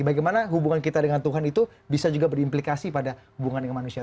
bagaimana hubungan kita dengan tuhan itu bisa juga berimplikasi pada hubungan dengan manusia